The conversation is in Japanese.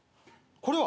これは？